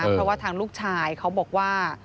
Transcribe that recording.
เพราะว่าทางลูกชายเขาบอกว่า